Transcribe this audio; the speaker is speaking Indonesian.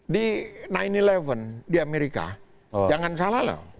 di sembilan sebelas di amerika jangan salah loh